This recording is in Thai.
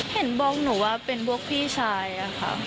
เห็นบอกหนูว่าเป็นพวกพี่ชายอะค่ะ